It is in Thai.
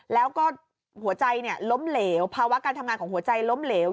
แล้วก็หัวใจล้มเหลวภาวะการทำงานของหัวใจล้มเหลว